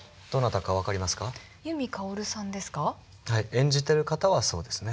演じてる方はそうですね。